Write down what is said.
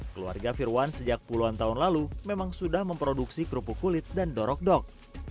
keluarga firwan sejak puluhan tahun lalu memang sudah memproduksi kerupuk kulit dan dorok dok